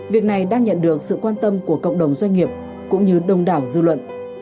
việc này đang nhận được sự quan tâm của cộng đồng doanh nghiệp cũng như đông đảo dư luận